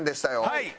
はい。